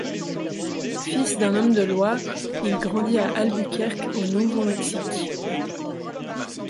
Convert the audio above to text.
Fils d'un homme de loi, il grandit à Albuquerque, au Nouveau-Mexique.